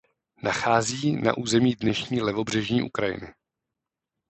Nachází na území dnešní levobřežní Ukrajiny.